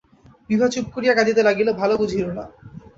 বিভা চুপ করিয়া কাঁদিতে লাগিল, ভালো বুঝিল না।